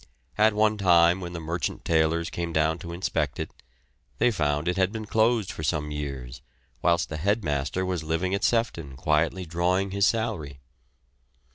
At one time when the Merchant Taylors came down to inspect it, they found it had been closed for some years, whilst the head master was living at Sefton quietly drawing his salary.